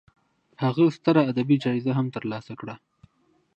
هغه ستره ادبي جایزه هم تر لاسه کړه.